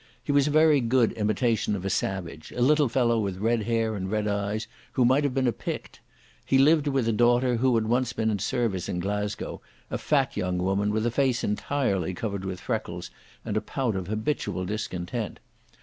He was a very good imitation of a savage, a little fellow with red hair and red eyes, who might have been a Pict. He lived with a daughter who had once been in service in Glasgow, a fat young woman with a face entirely covered with freckles and a pout of habitual discontent.